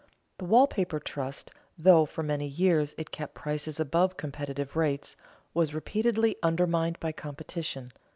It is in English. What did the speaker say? The wall paper trust, though for many years it kept prices above competitive rates, was repeatedly undermined by competition.